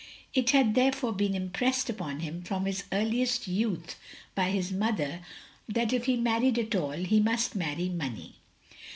It had therefore been impressed upon him from his earliest youth by his mother, that if he married at all, he must marry money.